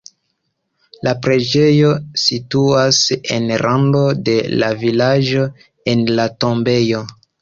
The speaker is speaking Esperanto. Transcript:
La preĝejo situas en rando de la vilaĝo en la tombejo.